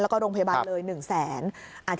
แล้วก็โรงพยาบาลเลย๑๐๐๐๐๐บาท